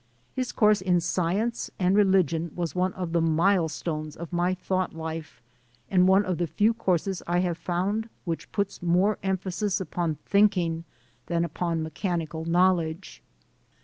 His course in Science and Religion was one of the milestones of my thought life, and one of the few courses I have found which puts more emphasis upon thinking than upon mechanical knowledge.